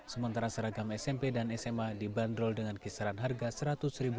sementara seragam smp dan sma dibanderol dengan kisaran harga rp seratus